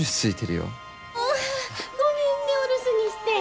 ごめんねお留守にして。